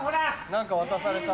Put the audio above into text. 何か渡された。